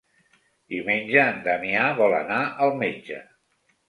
Diumenge en Damià vol anar al metge.